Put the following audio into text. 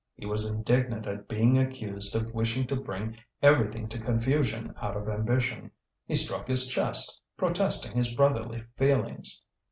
He was indignant at being accused of wishing to bring everything to confusion out of ambition; he struck his chest, protesting his brotherly feelings.